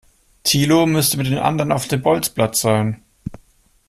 Thilo müsste mit den anderen auf dem Bolzplatz sein.